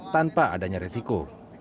tanpa adanya resiko